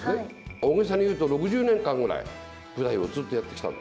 大げさにいうと、６０年間ぐらい、舞台をずっとやってきた。